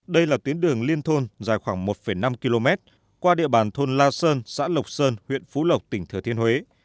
đây là tuyến đường liên thôn dài khoảng một năm km qua địa bàn thôn la sơn xã lộc sơn huyện phú lộc tỉnh thừa thiên huế